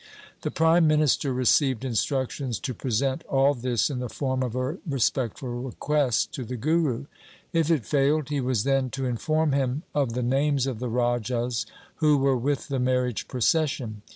The prime minister received instruc tions to present all this in the form of a respectful request to the Guru. If it failed, he was then to inform him of the names of the rajas who were with the marriage procession.